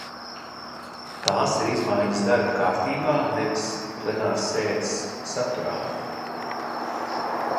Tās ir izmaiņas darba kārtībā, nevis plenārsēdes saturā.